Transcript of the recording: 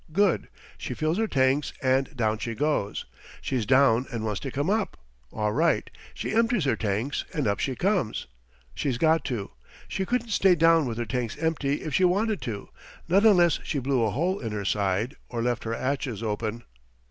Good. She fills her tanks and down she goes. She's down and wants to come up. All right. She empties her tanks and up she comes. She's got to. She couldn't stay down with her tanks empty if she wanted to not unless she blew a hole in her side, or left her hatches open.